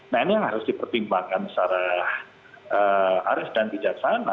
nah ini yang harus dipertimbangkan secara aris dan bijaksana